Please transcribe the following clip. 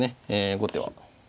後手は。